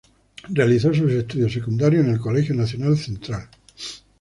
Realizó sus estudios secundarios en el Colegio Nacional Central.